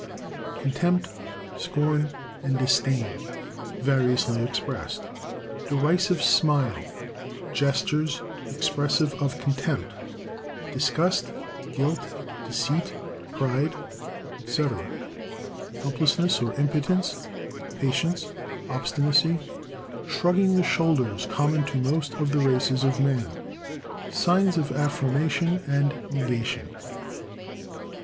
Contempt, scorn and disdain, variously expressed—Derisive smile—Gestures expressive of contempt—Disgust—Guilt, deceit, pride, &c.—Helplessness or impotence—Patience—Obstinacy—Shrugging the shoulders common to most of the races of man—Signs of affirmation and negation.